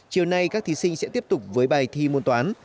chiều nay các thí sinh sẽ tiếp tục với bài thi môn toán